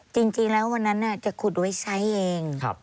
จริงแล้ววันนั้นจะขุดไว้ใช้เอง